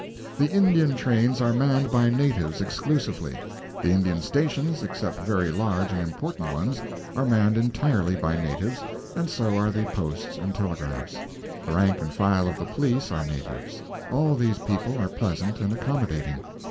The Indian trains are manned by natives exclusively. The Indian stations except very large and important ones are manned entirely by natives, and so are the posts and telegraphs. The rank and file of the police are natives. All these people are pleasant and accommodating.